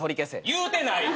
言うてない。